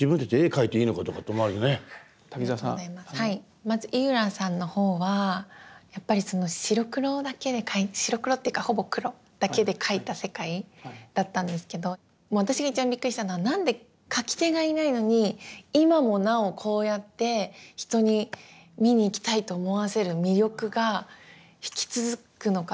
まず井浦さんのほうはやっぱりその白黒だけで白黒っていうかほぼ黒だけで描いた世界だったんですけど私が一番びっくりしたのは何で描き手がいないのに今もなおこうやって人に見に行きたいと思わせる魅力が引き続くのかって。